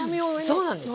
そうなんですよ。